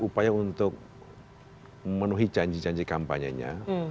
upaya untuk memenuhi janji janji kampanyenya